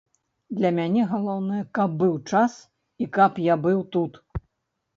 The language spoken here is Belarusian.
Для мяне галоўнае, каб быў час і каб я быў тут.